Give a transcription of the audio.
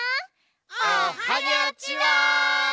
おはにゃちは！